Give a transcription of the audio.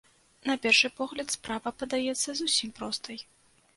На першы погляд, справа падаецца зусім простай.